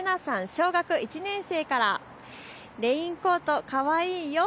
小学１年生からレインコートかわいいよ。